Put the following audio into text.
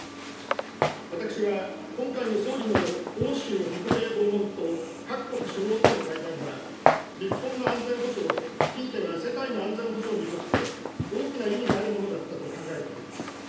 私は今回の総理の欧州、北米訪問と各国首脳との会談は、日本の安全保障、ひいては世界の安全保障にとって、大きな意味があるものだったと考えております。